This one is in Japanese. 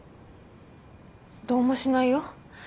どうもしないよ。